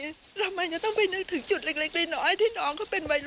ทำไมไม่ต้องไปนึกถึงจุดเล็กน้อย